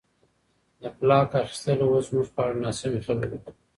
د بلاک خلک اوس زموږ په اړه ناسمې خبرې کوي.